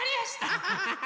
アハハハ！